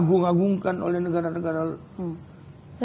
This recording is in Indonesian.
mengagumkan oleh negara negara luar biasa